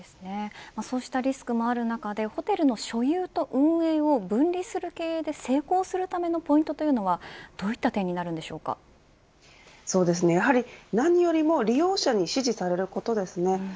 そうしたリスクもある中でホテルの所有と運営を分離する経営で成功するためのポイントはどういった点にそうですね、やはり何よりも利用者に支持されることです。